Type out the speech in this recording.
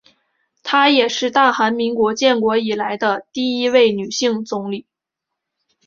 她也是大韩民国建国以来的第一位女性总理。